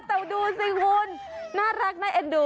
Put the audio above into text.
แต่ดูสิคุณน่ารักน่าเอ็นดู